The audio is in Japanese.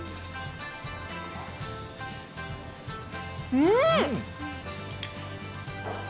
うん！